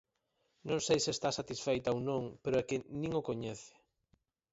Non sei se está satisfeita ou non, pero é que nin o coñece.